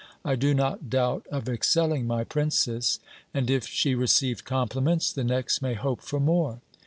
I do not doubt of excelling my PRINCESS; and if she received compliments, the next may hope for more.